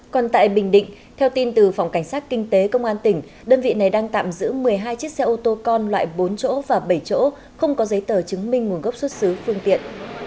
còn tại bình định theo tin từ phòng cảnh sát kinh tế công an tỉnh đơn vị này đang tạm giữ một mươi hai chiếc xe ô tô con loại bốn chỗ và bảy chỗ không có giấy tờ chứng minh nguồn gốc xuất xứ phương tiện